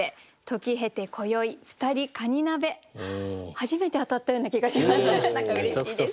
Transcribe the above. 初めて当たったような気がします。